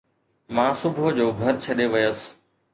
مان صبح جو گهر ڇڏي ويس